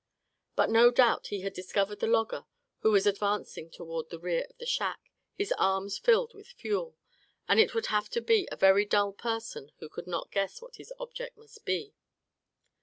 But no doubt he had discovered the logger who was advancing toward the rear of the shack, his arms filled with fuel; and it would have to be a very dull person who could not guess what his object must be.